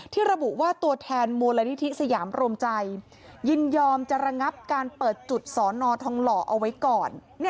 ระบุว่าตัวแทนมูลนิธิสยามรวมใจยินยอมจะระงับการเปิดจุดสอนอทองหล่อเอาไว้ก่อน